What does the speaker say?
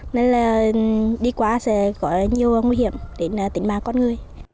nên là đi qua sẽ có nhiều nguy hiểm đến tỉnh bà con người